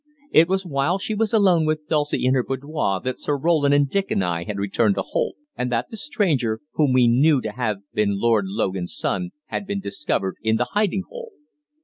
It was while she was alone with Dulcie in her boudoir that Sir Roland and Dick and I had returned to Holt, and that the stranger whom we now knew to have been Lord Logan's son had been discovered in the hiding hole.